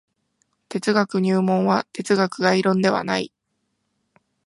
哲学入門は哲学概論ではない。